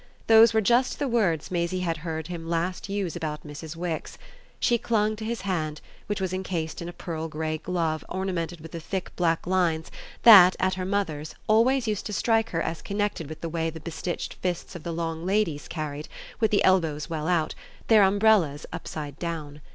Those were just the words Maisie had last heard him use about Mrs. Wix. She clung to his hand, which was encased in a pearl grey glove ornamented with the thick black lines that, at her mother's, always used to strike her as connected with the way the bestitched fists of the long ladies carried, with the elbows well out, their umbrellas upside down.